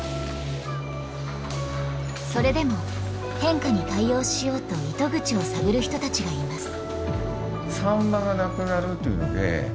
それでも変化に対応しようと糸口を探る人たちがいます。